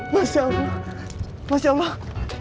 masya allah masya allah